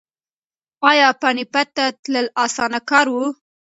ایا پاني پت ته تلل اسانه کار و؟